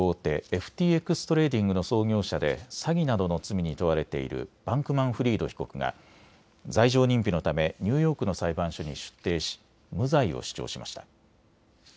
ＦＴＸトレーディングの創業者で詐欺などの罪に問われているバンクマンフリード被告が罪状認否のためニューヨークの裁判所に出廷し無罪を主張しました。